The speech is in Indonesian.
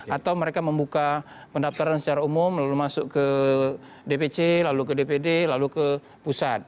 atau mereka membuka pendaftaran secara umum lalu masuk ke dpc lalu ke dpd lalu ke pusat